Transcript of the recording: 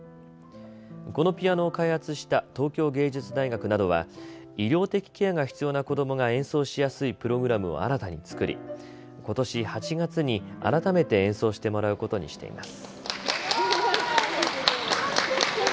このピアノを開発した東京藝術大学などは医療的ケアが必要な子どもが演奏しやすいプログラムを新たに作りことし８月に改めて演奏してもらうことにしています。